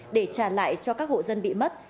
để trả lại cho các hộ dân bị mất